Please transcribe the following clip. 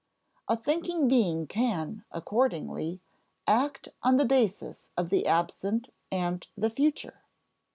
A thinking being can, accordingly, act on the basis of the absent and the future.